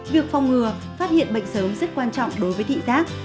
việc phòng ngừa phát hiện bệnh sớm rất quan trọng đối với thị giác